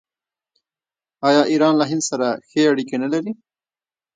آیا ایران له هند سره ښه اړیکې نلري؟